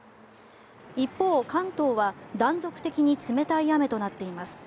一方、関東は断続的に冷たい雨となっています。